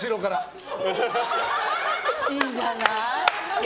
いいじゃない。